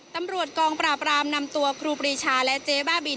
ตำรวจกองปราบรามนำตัวครูปรีชาและเจ๊บ้าบิน